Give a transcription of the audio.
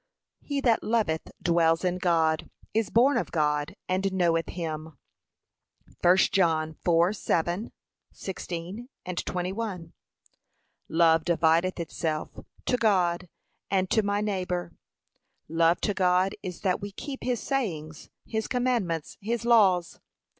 'He that loveth dwells in God, is born of God, and knoweth him.' (1 John 4:7,16,21) Love divideth itself, to God, and to my neighbour. Love to God is, that we keep his sayings, his commandments, his laws.